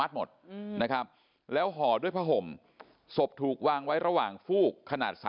หมดนะครับแล้วห่อด้วยผ้าห่มศพถูกวางไว้ระหว่างฟูกขนาด๓